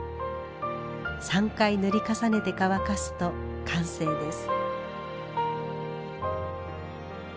３回塗り重ねて乾かすと完成です。